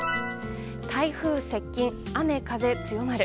台風接近、雨風強まる。